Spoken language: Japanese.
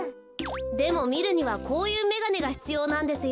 でもみるにはこういうめがねがひつようなんですよ。